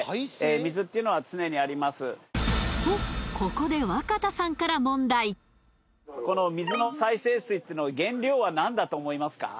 水っていうのは常にありますとここで若田さんから問題この水の再生水っていうのは原料は何だと思いますか？